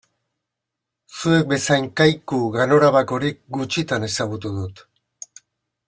Zuek bezain kaiku ganorabakorik gutxitan ezagutu dut.